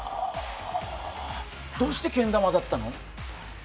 どうして、けん玉だったの？